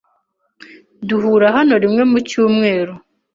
Duhura hano rimwe mu cyumweru.